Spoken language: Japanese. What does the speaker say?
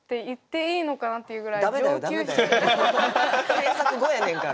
添削後やねんから。